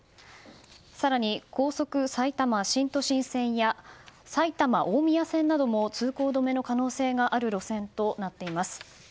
更に高速埼玉新都心線や埼玉大宮線なども通行止めの可能性がある路線となっています。